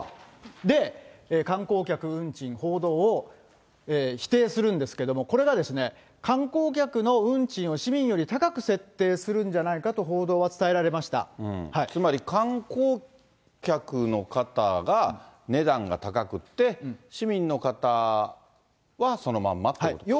で、観光客運賃報道を否定するんですけれども、これがですね、観光客の運賃を市民より高く設定するんじゃないかと報道は伝えらつまり観光客の方が値段が高くって、市民の方はそのまんまということですか。